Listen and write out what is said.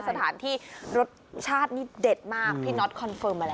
สถานที่รสชาตินี่เด็ดมากพี่น็อตคอนเฟิร์มมาแล้ว